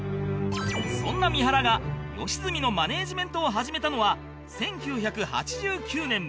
そんな三原が良純のマネージメントを始めたのは１９８９年